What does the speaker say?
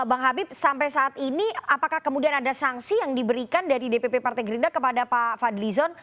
bang habib sampai saat ini apakah kemudian ada sanksi yang diberikan dari dpp partai gerindra kepada pak fadlizon